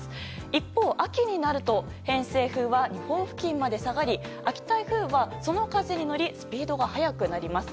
一方、秋になると偏西風は日本付近まで下がり秋台風は、その風に乗りスピードが速くなります。